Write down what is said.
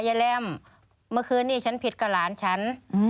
แรมเมื่อคืนนี้ฉันผิดกับหลานฉัน